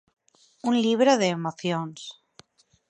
Un libro de emocións.